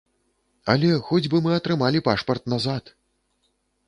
Але хоць бы мы атрымалі пашпарт назад!